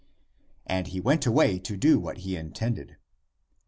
And he went away to do what he intended.